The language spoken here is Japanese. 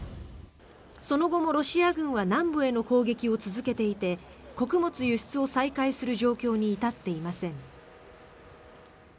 その後もロシア軍は南部への攻撃を続けていて穀物輸出を再開する状況に至っていません。